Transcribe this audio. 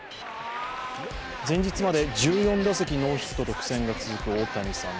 前日まで１４打席ノーヒットと苦戦が続く大谷さん。